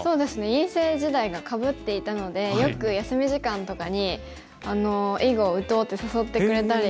院生時代がかぶっていたのでよく休み時間とかに囲碁を打とうって誘ってくれたり